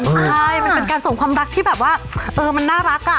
ใช่มันเป็นการส่งความรักที่แบบว่าเออมันน่ารักอ่ะ